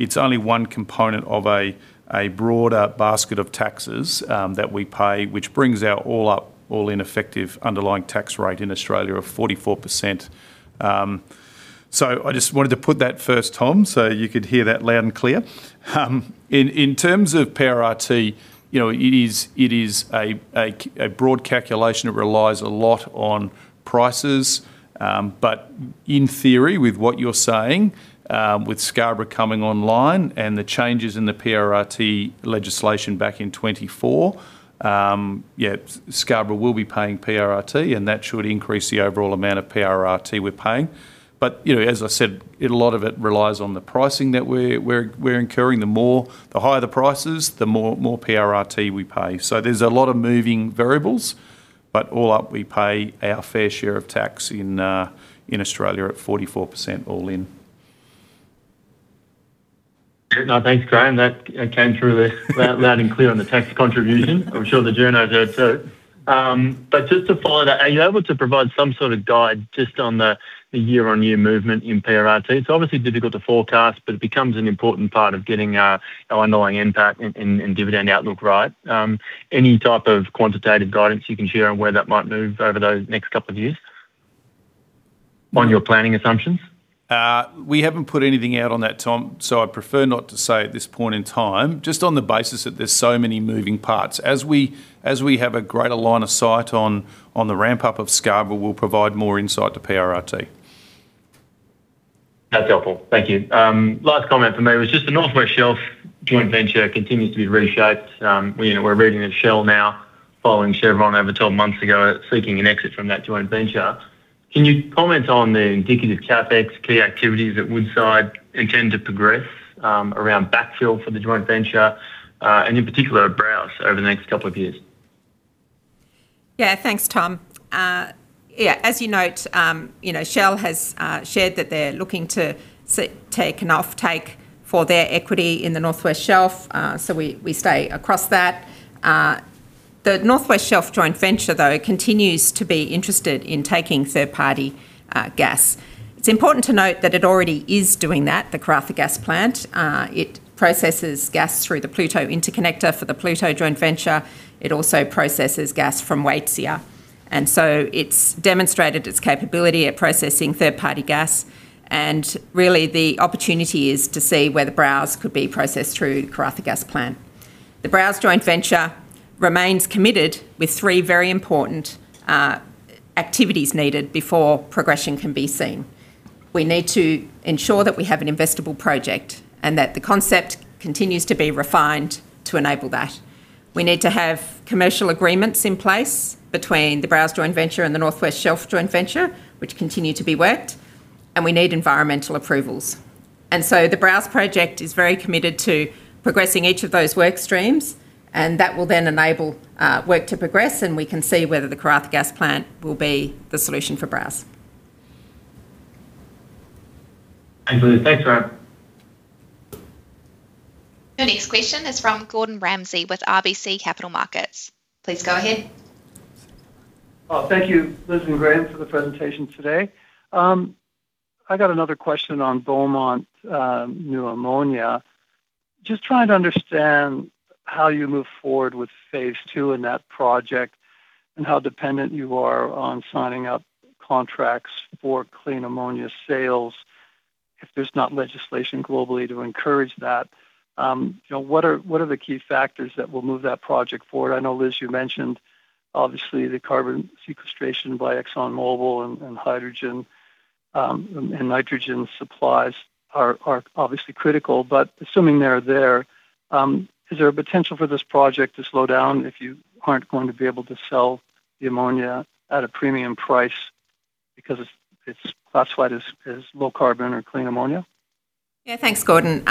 It's only one component of a, a broader basket of taxes that we pay, which brings our all up, all-in effective underlying tax rate in Australia of 44%. I just wanted to put that first, Tom, so you could hear that loud and clear. In, in terms of PRRT, you know, it is, it is a, a, a broad calculation. It relies a lot on prices. In theory, with what you're saying, with Scarborough coming online and the changes in the PRRT legislation back in 2024, Scarborough will be paying PRRT, and that should increase the overall amount of PRRT we're paying. You know, as I said, a lot of it relies on the pricing that we're, we're, we're incurring. The more, the higher the prices, the more, more PRRT we pay. There's a lot of moving variables, but all up, we pay our fair share of tax in Australia at 44% all in. Yeah, no, thanks, Graham. That came through loud, loud and clear on the tax contribution. I'm sure the journos heard too. But just to follow that, are you able to provide some sort of guide just on the, the year-on-year movement in PRRT? It's obviously difficult to forecast, but it becomes an important part of getting our underlying impact and, and, and dividend outlook right. Any type of quantitative guidance you can share on where that might move over those next couple of years on your planning assumptions? We haven't put anything out on that, Tom, so I'd prefer not to say at this point in time, just on the basis that there's so many moving parts. As we, as we have a greater line of sight on, on the ramp-up of Scarborough, we'll provide more insight to PRRT. That's helpful. Thank you. Last comment from me was just the North West Shelf Joint Venture continues to be reshaped. We know we're reading that Shell now, following Chevron over 12 months ago, seeking an exit from that joint venture. Can you comment on the indicative CapEx, key activities at Woodside intend to progress, around backfill for the joint venture, and in particular, Browse over the next couple of years? Yeah, thanks, Tom. Yeah, as you note, you know, Shell has shared that they're looking to take an offtake for their equity in the North West Shelf, we stay across that. The North West Shelf Joint Venture, though, continues to be interested in taking third-party gas. It's important to note that it already is doing that, the Karratha Gas Plant. It processes gas through the Pluto Interconnector for the Pluto Joint Venture. It also processes gas from Waitsia, and so it's demonstrated its capability at processing third-party gas, and really, the opportunity is to see whether Browse could be processed through Karratha Gas Plant. The Browse Joint Venture remains committed with three very important activities needed before progression can be seen. We need to ensure that we have an investable project and that the concept continues to be refined to enable that. We need to have commercial agreements in place between the Browse Joint Venture and the North West Shelf Joint Venture, which continue to be worked, and we need environmental approvals. So the Browse project is very committed to progressing each of those work streams, and that will then enable, work to progress, and we can see whether the Karratha Gas Plant will be the solution for Browse. Thanks, Liz. Thanks, Graham. Your next question is from Gordon Ramsay with RBC Capital Markets. Please go ahead. Oh, thank you, Liz and Graham, for the presentation today. I got another question on Beaumont New Ammonia Project. Just trying to understand how you move forward with phase II in that project and how dependent you are on signing up contracts for clean ammonia sales, if there's not legislation globally to encourage that. You know, what are, what are the key factors that will move that project forward? I know, Liz, you mentioned obviously the carbon sequestration by ExxonMobil and, and hydrogen, and, and nitrogen supplies are, are obviously critical, but assuming they're there, is there a potential for this project to slow down if you aren't going to be able to sell the ammonia at a premium price because it's, it's classified as, as low carbon or clean ammonia? Yeah, thanks, Gordon.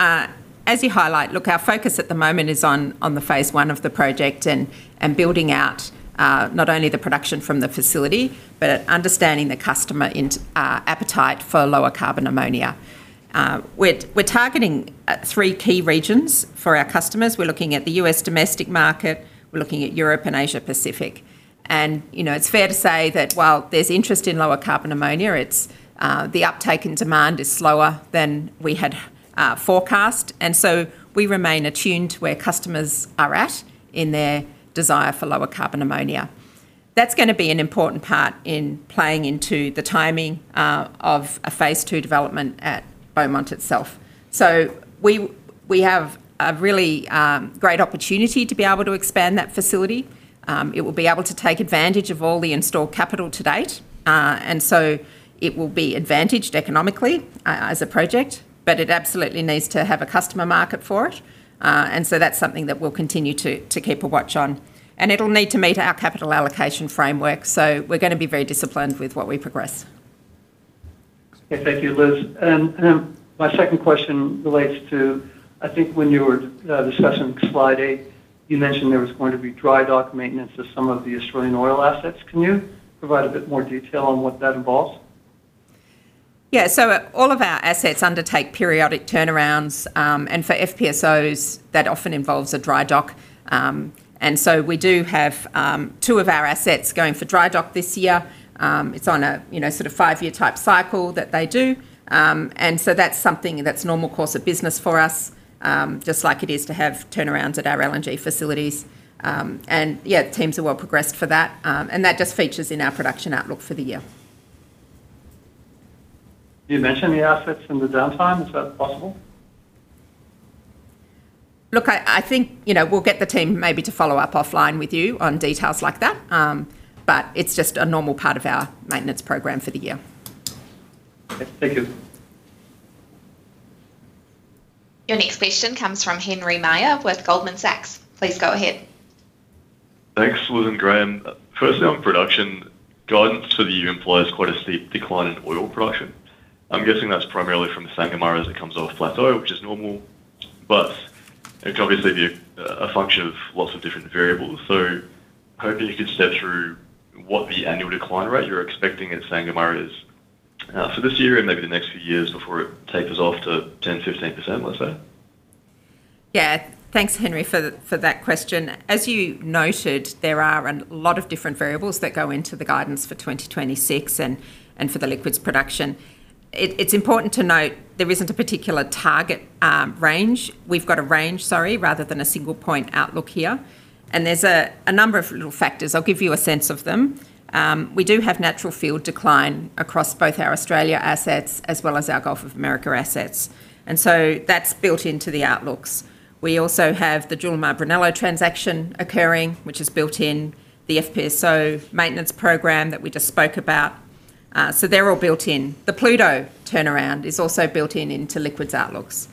As you highlight, look, our focus at the moment is on, on the phase I of the project and, and building out, not only the production from the facility, but understanding the customer appetite for lower carbon ammonia. We're, we're targeting three key regions for our customers. We're looking at the U.S. domestic market, we're looking at Europe and Asia Pacific. You know, it's fair to say that while there's interest in lower carbon ammonia, it's the uptake in demand is slower than we had forecast, and so we remain attuned to where customers are at in their desire for lower carbon ammonia. That's gonna be an important part in playing into the timing of a phase II development at Beaumont itself. We, we have a really great opportunity to be able to expand that facility. It will be able to take advantage of all the installed capital to date, and so it will be advantaged economically as a project, but it absolutely needs to have a customer market for it. That's something that we'll continue to keep a watch on. It'll need to meet our capital allocation framework, so we're gonna be very disciplined with what we progress. Okay. Thank you, Liz. My second question relates to, I think when you were discussing slide eight, you mentioned there was going to be dry dock maintenance of some of the Australian oil assets. Can you provide a bit more detail on what that involves? Yeah, all of our assets undertake periodic turnarounds, and for FPSOs, that often involves a dry dock. We do have two of our assets going for dry dock this year. It's on a, you know, sort of five-year type cycle that they do. That's something that's normal course of business for us, just like it is to have turnarounds at our LNG facilities. Yeah, teams are well progressed for that, and that just features in our production outlook for the year. Can you mention the assets and the downtime, is that possible? Look, I, I think, you know, we'll get the team maybe to follow up offline with you on details like that, but it's just a normal part of our maintenance program for the year. Thank you. Your next question comes from Henry Meyer with Goldman Sachs. Please go ahead. Thanks, Liz and Graham. Firstly, on production, guidance for the year implies quite a steep decline in oil production. I'm guessing that's primarily from the Sangomar as it comes off plateau, which is normal, but it could obviously be a function of lots of different variables. Hoping you could step through what the annual decline rate you're expecting at Sangomar is?... for this year and maybe the next few years before it tapers off to 10%-15%, let's say? Yeah. Thanks, Henry, for the, for that question. As you noted, there are a lot of different variables that go into the guidance for 2026 and for the liquids production. It, it's important to note there isn't a particular target range. We've got a range, sorry, rather than a single point outlook here, and there's a, a number of little factors. I'll give you a sense of them. We do have natural field decline across both our Australia assets as well as our Gulf of Mexico assets, and so that's built into the outlooks. We also have the Julimar-Brunello transaction occurring, which is built in the FPSO maintenance program that we just spoke about. So they're all built in. The Pluto turnaround is also built in into liquids outlooks.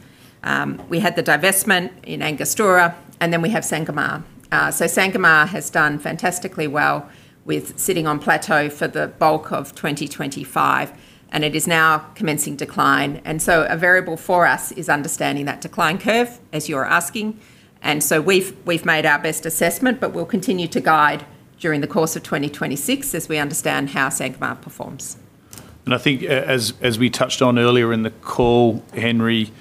We had the divestment in Angostura, and then we have Sangomar. Sangomar has done fantastically well with sitting on plateau for the bulk of 2025, and it is now commencing decline. A variable for us is understanding that decline curve, as you're asking, and so we've, we've made our best assessment, but we'll continue to guide during the course of 2026 as we understand how Sangomar performs. I think as, as we touched on earlier in the call, Henry,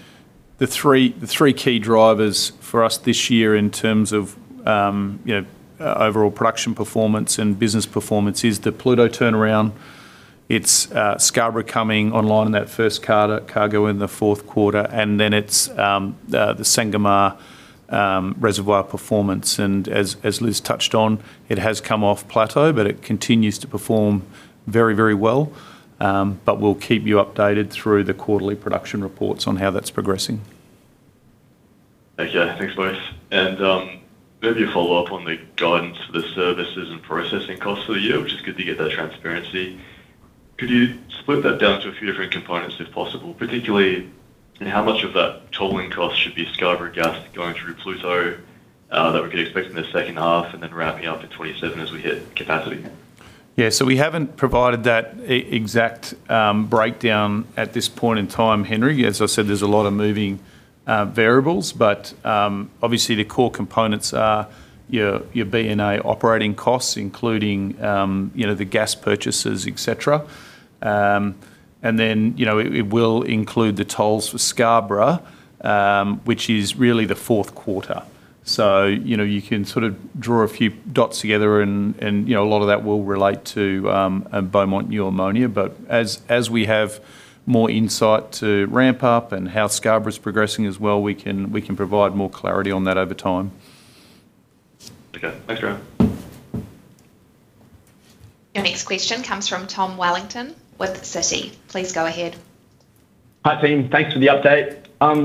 the three, the three key drivers for us this year in terms of, you know, overall production performance and business performance is the Pluto turnaround. It's Scarborough coming online and that first cargo, cargo in the fourth quarter, then it's the Sangomar reservoir performance. As, as Liz touched on, it has come off plateau, but it continues to perform very, very well. But we'll keep you updated through the quarterly production reports on how that's progressing. Okay. Thanks, boys. Maybe a follow-up on the guidance for the services and processing costs for the year, which is good to get that transparency. Could you split that down to a few different components, if possible? Particularly, in how much of that tolling cost should be Scarborough gas going through Pluto, that we could expect in the second half and then ramping up to 2027 as we hit capacity? Yeah. We haven't provided that exact breakdown at this point in time, Henry. As I said, there's a lot of moving variables, but obviously, the core components are your, your BNI operating costs, including, you know, the gas purchases, et cetera. You know, it, it will include the tolls for Scarborough, which is really the fourth quarter. You know, you can sort of draw a few dots together and, and, you know, a lot of that will relate to Beaumont New Ammonia. As, as we have more insight to ramp up and how Scarborough is progressing as well, we can, we can provide more clarity on that over time. Okay. Thanks, Graham. Your next question comes from Tom Wallington with Citi. Please go ahead. Hi, team. Thanks for the update.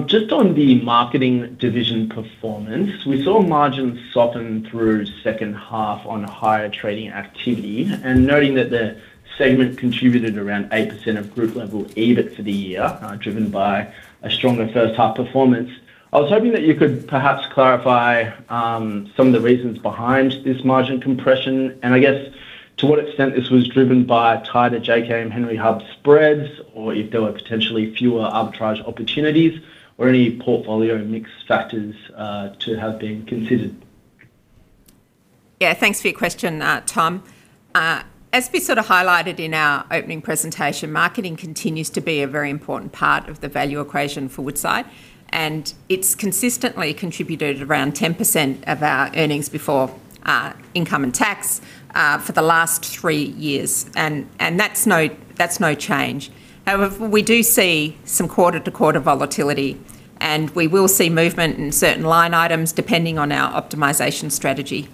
Just on the marketing division performance, we saw margins soften through second half on higher trading activity, and noting that the segment contributed around 8% of group level EBIT for the year, driven by a stronger first half performance. I was hoping that you could perhaps clarify some of the reasons behind this margin compression, and I guess to what extent this was driven by tighter JKM and Henry Hub spreads, or if there were potentially fewer arbitrage opportunities, or any portfolio mix factors, to have been considered. Yeah, thanks for your question, Tom. As we sort of highlighted in our opening presentation, marketing continues to be a very important part of the value equation for Woodside, and it's consistently contributed around 10% of our earnings before income and tax for the last three years. That's no change. However, we do see some quarter-to-quarter volatility, and we will see movement in certain line items depending on our optimization strategy.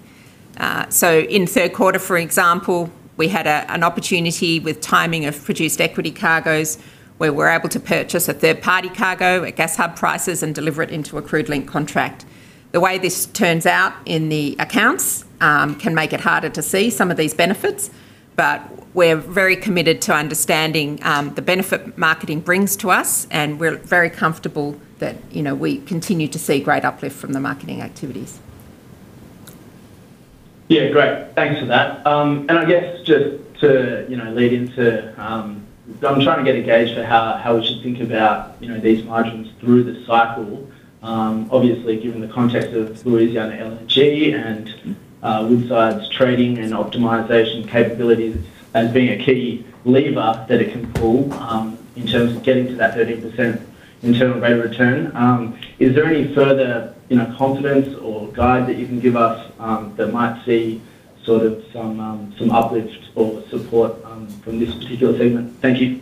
In third quarter, for example, we had an opportunity with timing of produced equity cargoes, where we're able to purchase a third-party cargo at gas hub prices and deliver it into a crude link contract. The way this turns out in the accounts, can make it harder to see some of these benefits, but we're very committed to understanding, the benefit marketing brings to us, and we're very comfortable that, you know, we continue to see great uplift from the marketing activities. Yeah, great. Thanks for that. I guess just to, you know, lead into... I'm trying to get a gauge for how, how we should think about, you know, these margins through the cycle. Obviously, given the context of Louisiana LNG and Woodside's trading and optimization capabilities as being a key lever that it can pull, in terms of getting to that 13% internal rate of return. Is there any further, you know, confidence or guide that you can give us, that might see sort of some, some uplift or support, from this particular segment? Thank you.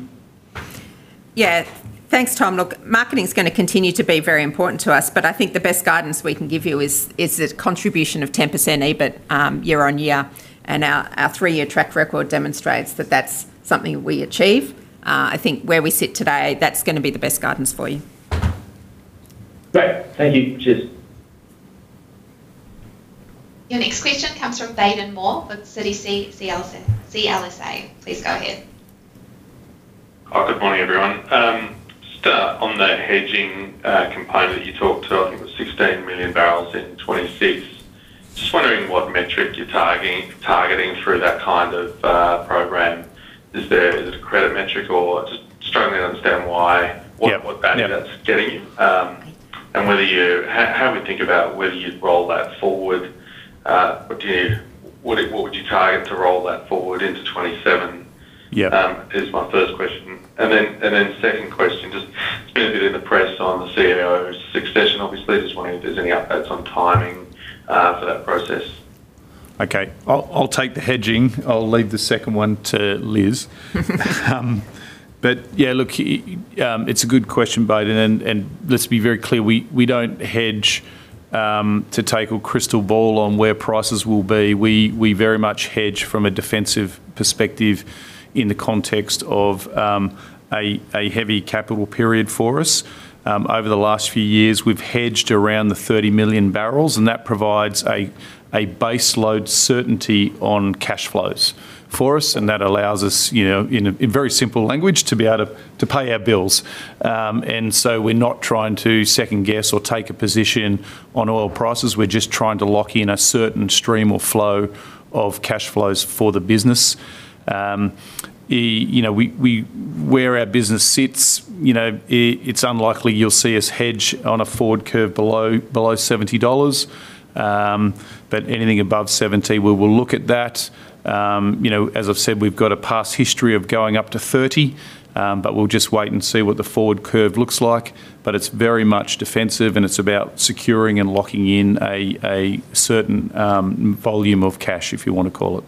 Yeah. Thanks, Tom. Look, marketing is gonna continue to be very important to us, but I think the best guidance we can give you is the contribution of 10% EBIT, year on year, and our, our three-year track record demonstrates that that's something we achieve. I think where we sit today, that's gonna be the best guidance for you. Great. Thank you. Cheers. Your next question comes from Baden Moore with CLSA. Please go ahead. Good morning, everyone. Just on the hedging component, you talked to, I think it was 16 million barrels in 2026. Just wondering what metric you're targeting through that kind of program. Is it a credit metric or just struggling to understand why? Yeah. What, what value that's getting you? Whether you, how, how do we think about whether you'd roll that forward? What, what would you target to roll that forward into 2027? Yeah. Is my first question. Second question, just it's been a bit in the press on the CEO's succession, obviously. Just wondering if there's any updates on timing for that process? Okay, I'll take the hedging. I'll leave the second one to Liz. Yeah, look, it's a good question, Bayden, and let's be very clear, we, we don't hedge to take a crystal ball on where prices will be. We, we very much hedge from a defensive perspective in the context of a heavy capital period for us. Over the last few years, we've hedged around the 30 million barrels, and that provides a base load certainty on cash flows for us, and that allows us, you know, in a very simple language, to be able to, to pay our bills. So we're not trying to second guess or take a position on oil prices. We're just trying to lock in a certain stream or flow of cash flows for the business. you know, we, we, where our business sits, you know, it's unlikely you'll see us hedge on a forward curve below, below $70. Anything above $70, we will look at that. you know, as I've said, we've got a past history of going up to 30, but we'll just wait and see what the forward curve looks like. It's very much defensive, and it's about securing and locking in a, a certain volume of cash, if you want to call it.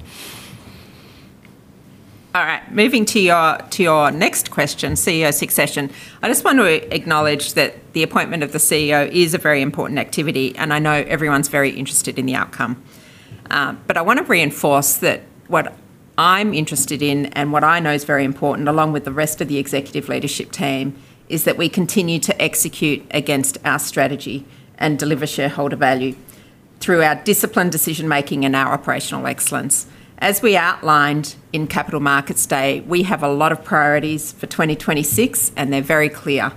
All right. Moving to your, to your next question, CEO succession. I just want to acknowledge that the appointment of the CEO is a very important activity, and I know everyone's very interested in the outcome. I want to reinforce that what I'm interested in and what I know is very important, along with the rest of the executive leadership team, is that we continue to execute against our strategy and deliver shareholder value through our disciplined decision making and our operational excellence. As we outlined in Capital Markets Day, we have a lot of priorities for 2026, and they're very clear.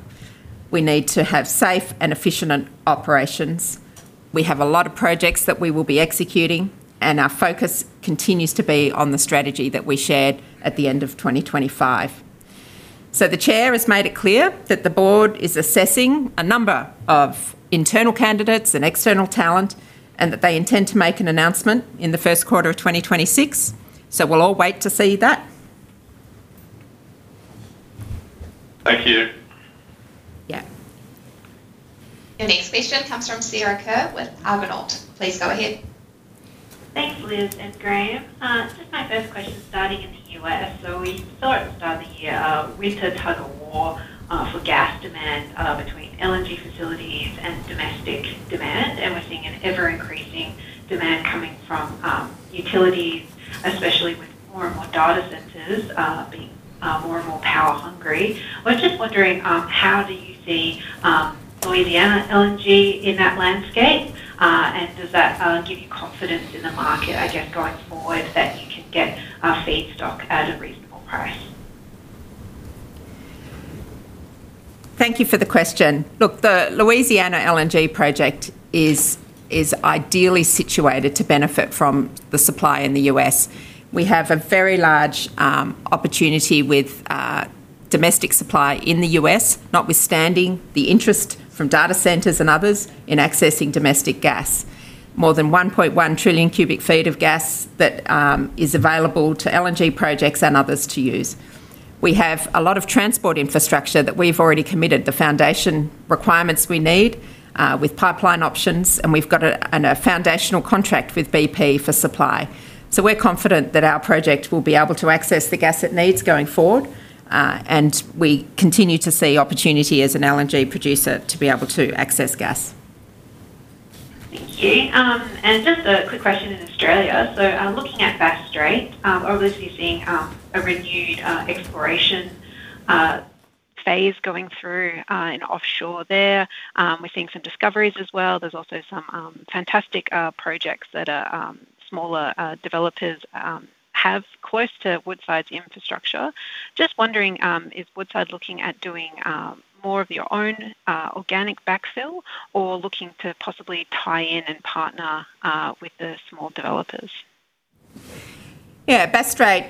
We need to have safe and efficient operations. We have a lot of projects that we will be executing, and our focus continues to be on the strategy that we shared at the end of 2025. The chair has made it clear that the board is assessing a number of internal candidates and external talent, and that they intend to make an announcement in the first quarter of 2026. So we'll all wait to see that. Thank you. Yeah. Your next question comes from Sarah Kerr with Argonaut. Please go ahead. Thanks, Liz and Graham. Just my first question, starting in the U.S. We saw at the start of the year, a winter tug-of-war for gas demand between LNG facilities and domestic demand, and we're seeing an ever-increasing demand coming from utilities, especially with more and more data centers being more and more power hungry. Was just wondering, how do you see Louisiana LNG in that landscape? Does that give you confidence in the market again going forward, that you can get feedstock at a reasonable price? Thank you for the question. Look, the Louisiana LNG Project is, is ideally situated to benefit from the supply in the U.S. We have a very large opportunity with domestic supply in the U.S., notwithstanding the interest from data centers and others in accessing domestic gas. More than 1.1 trillion cubic feet of gas that is available to LNG projects and others to use. We have a lot of transport infrastructure that we've already committed the foundation requirements we need with pipeline options, and we've got a foundational contract with BP for supply. We're confident that our project will be able to access the gas it needs going forward, and we continue to see opportunity as an LNG producer to be able to access gas. Thank you. Just a quick question in Australia. Looking at Bass Strait, obviously seeing a renewed exploration phase going through in offshore there. We're seeing some discoveries as well. There's also some fantastic projects that are smaller developers have close to Woodside's infrastructure. Just wondering, is Woodside looking at doing more of your own organic backfill or looking to possibly tie in and partner with the small developers? Bass Strait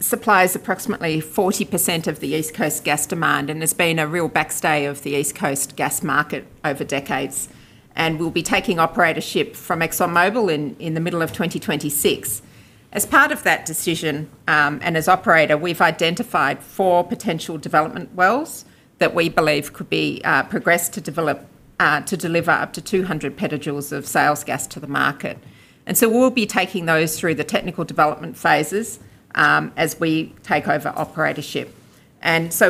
supplies approximately 40% of the East Coast gas demand and has been a real backstay of the East Coast gas market over decades, and we'll be taking operatorship from ExxonMobil in the middle of 2026. As part of that decision, and as operator, we've identified four potential development wells that we believe could be progressed to develop to deliver up to 200 petajoules of sales gas to the market. We'll be taking those through the technical development phases, as we take over operatorship.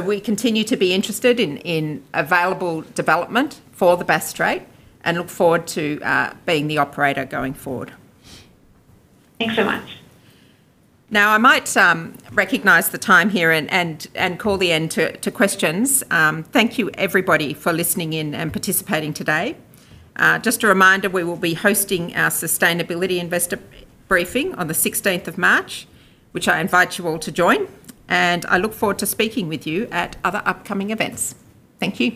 We continue to be interested in available development for the Bass Strait and look forward to being the operator going forward. Thanks so much. Now, I might recognize the time here and call the end to questions. Thank you, everybody, for listening in and participating today. Just a reminder, we will be hosting our Sustainability Investor Briefing on the 16th of March, which I invite you all to join, and I look forward to speaking with you at other upcoming events. Thank you.